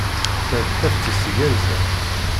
Ta d taftist igerrzen.